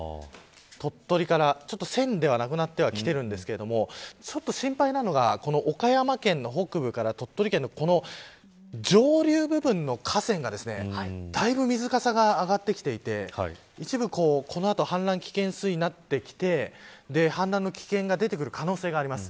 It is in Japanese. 鳥取から、ちょっと線ではなくなってきているんですけど心配なのが岡山県の北部から鳥取県の上流部分の河川がだいぶ水かさが上がってきていて一部この後氾濫危険水位になってきて氾濫の危険が出てくる可能性があります。